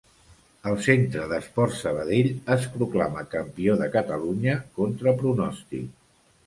El Centre d'Esports Sabadell es proclamà campió de Catalunya contra pronòstic.